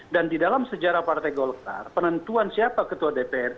dan di dalam sejarah partai golkar penentuan siapa ketua dpr